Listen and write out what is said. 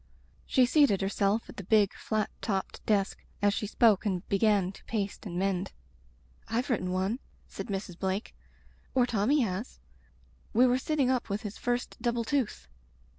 " She seated herself at the big flat topped desk as she spoke and began to paste and mend. "Fve written one," said Mrs. Blake, "or Tommy has. We were sitting up with his first double tooth.